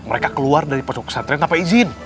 mereka keluar dari pondok pesantren tanpa izin